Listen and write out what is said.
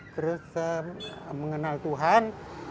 terus mengenal tuhan